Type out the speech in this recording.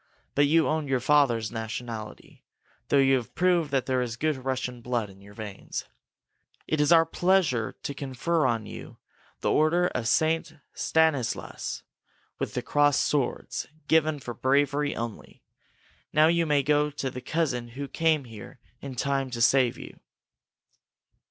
But you own your father's nationality, though you have proved that there is good Russian blood in your veins. It is our pleasure to confer on you the order of St. Stanislas, with the crossed swords, given for bravery only! Now you may go to the cousin who came here in time to save you."